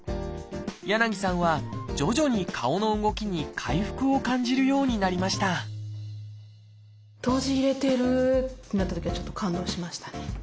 柳さんは徐々に顔の動きに回復を感じるようになりました閉じれてる！ってなったときはちょっと感動しましたね。